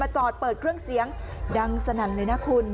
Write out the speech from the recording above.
จอดเปิดเครื่องเสียงดังสนั่นเลยนะคุณ